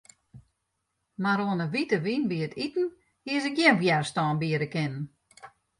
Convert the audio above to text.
Mar oan 'e wite wyn by it iten hie se gjin wjerstân biede kinnen.